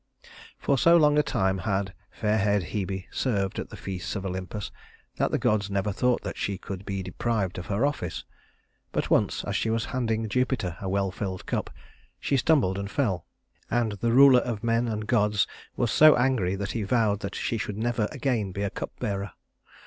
For so long a time had fair haired Hebe served at the feasts of Olympus that the gods never thought that she could be deprived of her office; but once, as she was handing Jupiter a well filled cup, she stumbled and fell, and the ruler of gods and men was so angry that he vowed that she should never again be cupbearer.